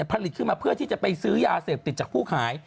ผลิตขึ้นมาเพื่อที่จะไปซื้อยาเสพติดจากผู้ขาย